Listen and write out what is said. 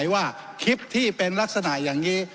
ว่าคลิปที่เป็นลักษณะอย่างนี้